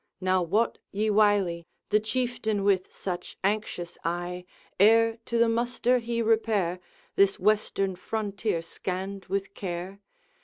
Now wot ye wily The Chieftain with such anxious eye, Ere to the muster he repair, This western frontier scanned with care?